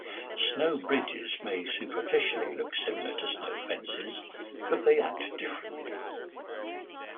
Snow bridges may superficially look similar to snow fences, but they act differently.